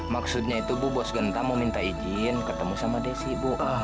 maksudnya itu bu bos genta mau minta izin ketemu sama desi bu